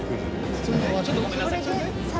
ちょっとごめんなさい。